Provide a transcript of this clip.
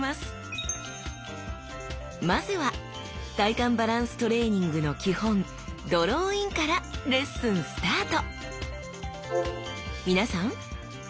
まずは体幹バランストレーニングの基本「ドローイン」からレッスンスタート！